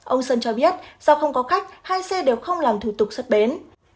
ông sơn cho biết do không có khách hai xe đều không làm thủ tục xuất bến